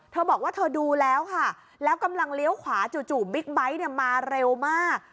เธอบอกว่าเธอดูแล้วค่ะแล้วกำลังเลี้ยวขวาจู่บิ๊กไบท์เนี่ยมาเร็วมาก